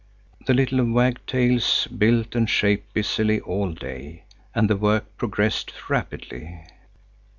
The little wagtails built and shaped busily all day, and the work progressed rapidly.